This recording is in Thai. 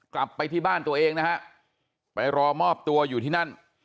กลับไปที่บ้านตัวเองนะฮะไปรอมอบตัวอยู่ที่นั่น